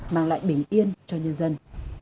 mang lại bình yên cho nhân dân